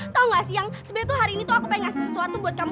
tau gak sih yang sebenarnya tuh hari ini tuh aku pengen ngasih sesuatu buat kamu